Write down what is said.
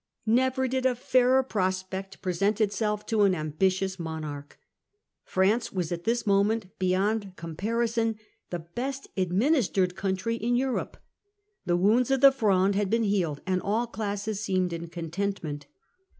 Never did a fairer prospect present itself to an ambi tious monarch. France was at this moment beyond Readiness comparison the best administered country in of Louis. Europe. The wounds of the Fronde had been healed, and all classes seemed in contentment.